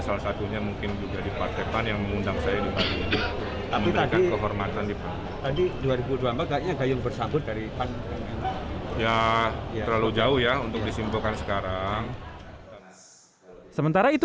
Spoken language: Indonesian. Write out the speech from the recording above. sementara itu di jepang pan mencari pilihan yang lebih baik